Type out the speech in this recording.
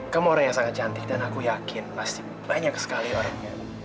kamu orang yang sangat cantik dan aku yakin pasti banyak sekali orangnya